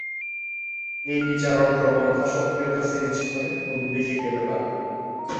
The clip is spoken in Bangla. এই বিজারণ প্রবণতা, সক্রিয়তা সিরিজ ধরে কোন দিকে গেলে বাড়বে?